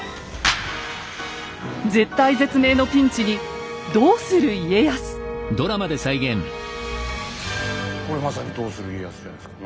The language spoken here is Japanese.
絶体絶命のピンチにこれまさに「どうする家康」じゃないですか。